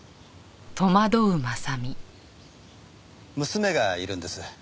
娘がいるんです。